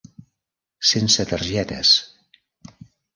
Sense targetes.